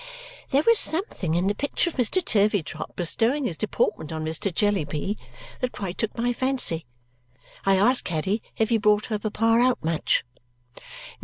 There was something in the picture of Mr. Turveydrop bestowing his deportment on Mr. Jellyby that quite took my fancy. I asked Caddy if he brought her papa out much.